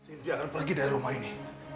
sinti jangan pergi dari rumah ini